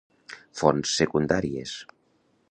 Fonts secundàries